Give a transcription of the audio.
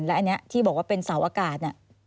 และอันนี้ที่บอกว่าเป็นเสาอากาศ